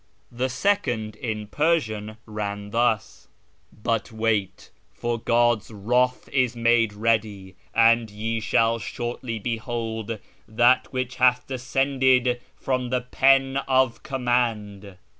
The second (in Persian) ran thus :" But wait, for God's ivrath is made ready, and ye shall shortly behold that which hath descended from the Pen of Command."